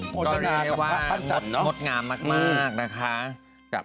ก็เรียกว่างดงามมากนะคะ